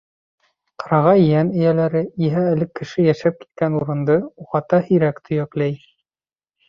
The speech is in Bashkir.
Ҡырағай йән эйәләре иһә элек кеше йәшәп киткән урынды уғата һирәк төйәкләй.